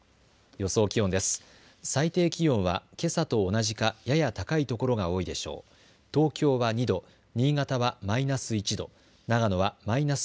予想気温です。